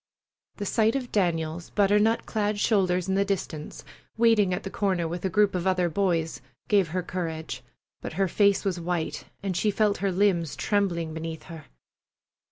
The sight of Daniel's butter nut clad shoulders in the distance, waiting at the corner with a group of other boys, gave her courage, but her face was white, and she felt her limbs trembling beneath her.